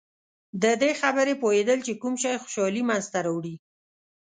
د دې خبرې پوهېدل چې کوم شی خوشحالي منځته راوړي.